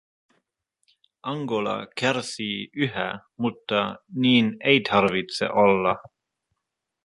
Angola kärsii yhä, mutta niin ei tarvitse olla.